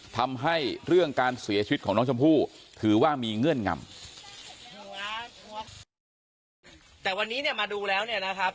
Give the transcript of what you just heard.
ทำให้เรื่องการเสียชีวิตของน้องชมพู่ถือว่ามีเงื่อนงำแต่วันนี้เนี่ยมาดูแล้วเนี่ยนะครับ